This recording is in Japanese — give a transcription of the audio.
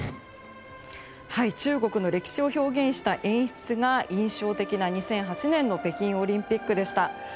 中国の歴史を表現した演出が印象的な２００８年の北京オリンピックでした。